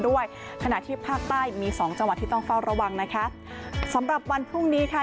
ด้วยขณะที่ภาคใต้มีสองจังหวัดที่ต้องเฝ้าระวังนะคะสำหรับวันพรุ่งนี้ค่ะ